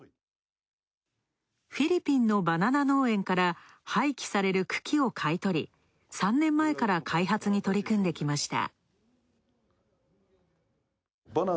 フィリピンのバナナ農園から廃棄される茎を買い取り３年前から開発に取り組んできました。